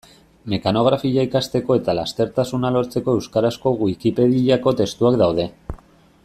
Mekanografia ikasteko eta lastertasuna lortzeko euskarazko Wikipediako testuak daude.